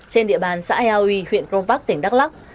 trên địa bàn xã iaoi huyện rông bắc tỉnh đắk lắc